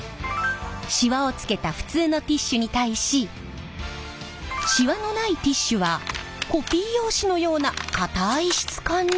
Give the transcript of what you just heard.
シワをつけた普通のティッシュに対しシワのないティッシュはコピー用紙のような固い質感に。